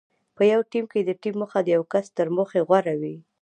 په یو ټیم کې د ټیم موخه د یو کس تر موخې غوره وي.